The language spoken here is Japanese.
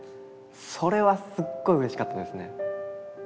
それはすっごいうれしかったですね。